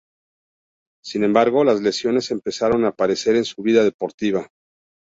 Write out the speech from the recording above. Sin embargo, las lesiones empezaron a aparecer en su vida deportiva.